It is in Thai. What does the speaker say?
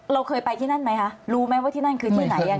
เราเคยไปที่นั่นไหมคะรู้ไหมว่าที่นั่นคือที่ไหน